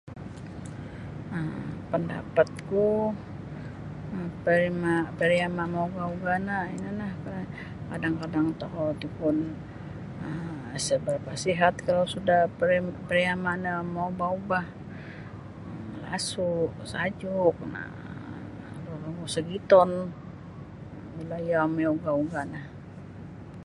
um Pandapatku um pariama pariama maugah-ugah no ino nio kadang-kadang tokou ti pun um sa barapa sihat kalau sudah pariama maubah-ubah malasu sajuk na nunu ogu sogiton bila iyo maugah-ugah no.